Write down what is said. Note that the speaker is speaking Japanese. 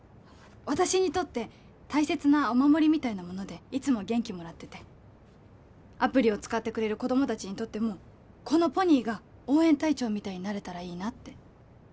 私にとって大切なお守りみたいなものでいつも元気もらっててアプリを使ってくれる子ども達にとってもこのポニーが応援隊長みたいになれたらいいなって